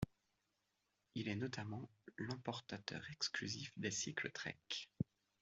Il est notamment l'importateur exclusif des cycles Trek.